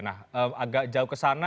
nah agak jauh ke sana